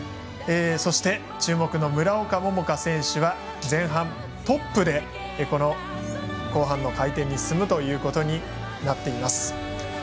そして、注目の村岡桃佳選手は前半、トップでこの後半の回転に進むということになっています。